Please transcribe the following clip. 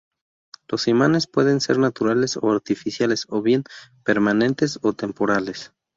Los imanes pueden ser naturales o artificiales, o bien, permanentes o temporales.